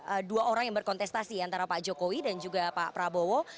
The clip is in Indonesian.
ada dua orang yang berkontestasi antara pak jokowi dan juga pak prabowo